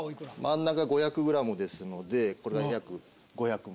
真ん中５００ｇですのでこれは約５００万。